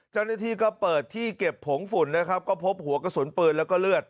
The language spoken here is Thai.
เจ้าหน้าที่ก็เปิดที่เก็บผงฝุ่นนะครับก็พบหัวกระสุนปืนแล้วก็เลือด